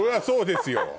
そうですよ